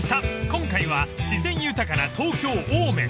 今回は自然豊かな東京・青梅］